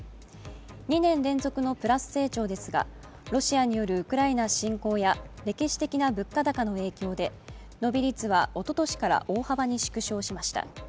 ２年連続のプラス成長ですがロシアによるウクライナ侵攻や歴史的な物価高の影響で伸び率はおととしから大幅に縮小しました。